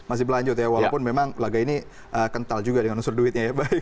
masih berlanjut ya walaupun memang laga ini kental juga dengan unsur duitnya ya